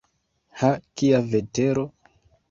Ha, kia vetero!